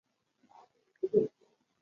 سارا بېخي په سترګو خبرې کولې.